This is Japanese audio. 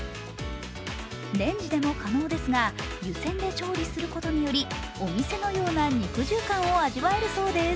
レンジでも可能ですが、湯せんで調理することにより、お店のような肉汁感を味わえるようです。